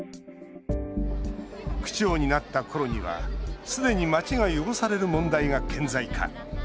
区長になったころにはすでに街が汚される問題が顕在化。